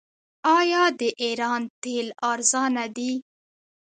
آیا د ایران تیل ارزانه دي؟